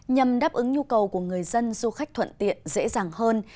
nhằm đáp ứng nhu cầu của người dân du khách thuận tiện dễ dàng hơn